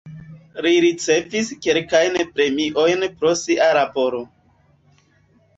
Li ricevis kelkajn premiojn pro sia laboro.